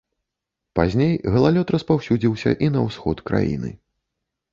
Пазней галалёд распаўсюдзіўся і на ўсход краіны.